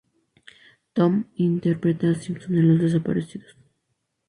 Tom interpreta a Simon en Los Desaparecidos.